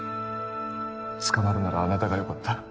捕まるならあなたがよかった